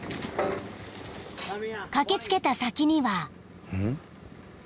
［駆け付けた先には］